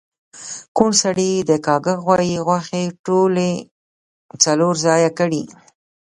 کوڼ سړي د کاږه غوایی غوښې ټولی څلور ځایه کړی